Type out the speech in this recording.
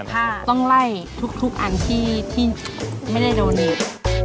ออกจากผ้าต้องไล่ทุกอันที่ไม่ได้โดนีบ